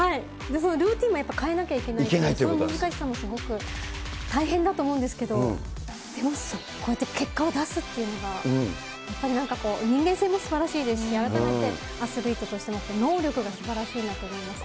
そのルーティンも、やっぱ変えなきゃいけないという、その難しさもすごく大変だと思うんですけど、でも、こうやって結果を出すっていうのが、やっぱりなんか、人間性もすばらしいですし、改めてアスリートとしての能力がすばらしいなと思いますね。